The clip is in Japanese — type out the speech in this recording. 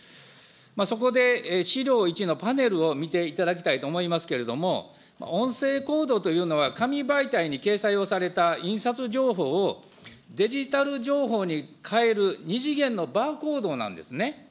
そこで資料１のパネルを見ていただきたいと思いますけれども、音声コードというのは、紙媒体に掲載をされた印刷情報を、デジタル情報に変える２次元のバーコードなんですね。